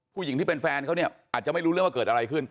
ผู้หญิงที่เป็นแฟนเขาเนี่ยอาจจะไม่รู้เรื่องว่าเกิดอะไรขึ้น